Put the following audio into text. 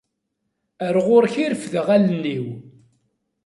Ar ɣur-k i refdeɣ allen-iw.